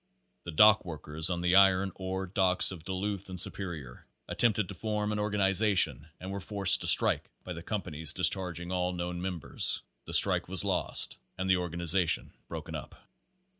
The dock workers on the iron ore docks of Duluth and Superior attempted to form an organization and were forced to strike by the companies discharging all known members. The strike was lost and the organi zation broken up.